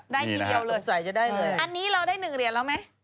ได้พีดีอันนี้เราได้หนึ่งเหรียญแล้วไหม